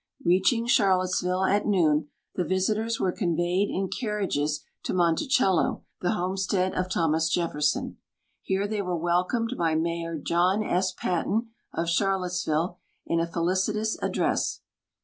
Peaching Charlottesville at noon, the visitors were conveyed in carriages to Monticello, the homestead of Thomas .Jefferson. Here they were welcomed by Mayor .John S. Patton, of Charlottesville, in a felicitous address.